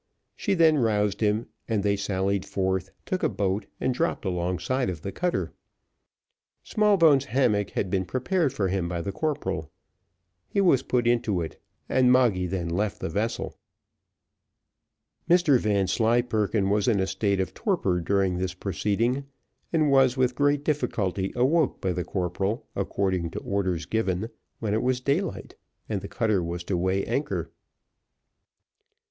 She then roused him, and they sallied forth, took a boat, and dropped alongside of the cutter. Smallbones' hammock had been prepared for him by the corporal. He was put into it, and Moggy then left the vessel. Mr Vanslyperken was in a state of torpor during this proceeding, and was, with great difficulty, awoke by the corporal, according to orders given, when it was daylight, and the cutter was to weigh anchor.